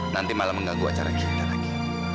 nanti malah mengganggu acara kita lagi